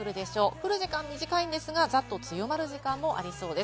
降る時間は短いですが、ざっと強まる時間もありそうです。